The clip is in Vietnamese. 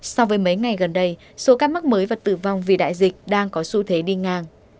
so với mấy ngày gần đây số ca mắc mới và tử vong vì đại dịch đang có xu thế đi ngang